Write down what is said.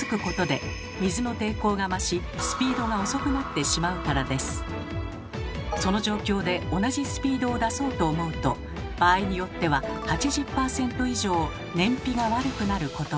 というのも船の底にその状況で同じスピードを出そうと思うと場合によっては８０％以上燃費が悪くなることも。